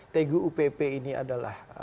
tgupp ini adalah